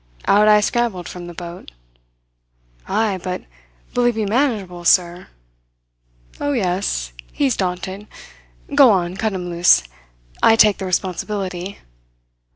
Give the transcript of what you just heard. Out I scrambled from the boat. "'Ay, but will he be manageable, sir?' "'Oh, yes. He's daunted. Go on, cut him loose I take the responsibility.'